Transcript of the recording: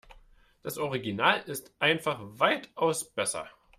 Das Original ist einfach weitaus besser.